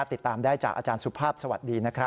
ติดตามได้จากอาจารย์สุภาพสวัสดีนะครับ